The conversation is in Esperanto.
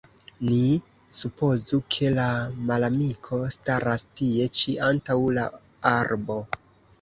Ni supozu, ke la malamiko staras tie ĉi antaŭ la arbo.